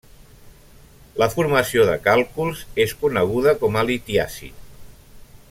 La formació de càlculs és coneguda com a litiasi.